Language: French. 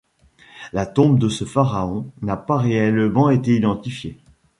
La tombe de ce pharaon n'a pas réellement été identifiée.